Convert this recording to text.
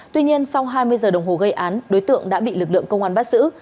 tuy nhiên sau hai mươi giờ đồng hồ gây án đối tượng đã bị lực lượng công an bắt giữ